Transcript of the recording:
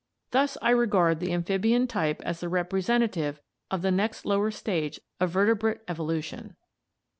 Thus I regard the amphibian type as the represent ative of the next lower stage of vertebrate evolution."